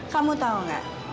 kamu tahu nggak